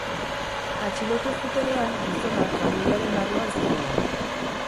Atxilotu zutenean, gizona kamioiaren barruan zegoen.